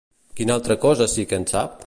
Quina altra cosa sí que en sap?